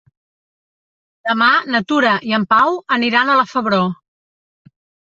Demà na Tura i en Pau aniran a la Febró.